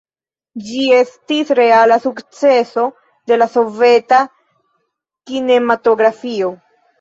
Ĝi estis reala sukceso de la soveta kinematografio.